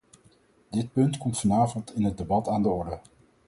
Dit punt komt vanavond in het debat aan de orde.